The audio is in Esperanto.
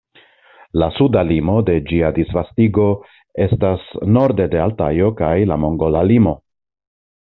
La suda limo de ĝia disvastigo estas norde de Altajo kaj la mongola limo.